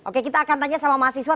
oke kita akan tanya sama mahasiswa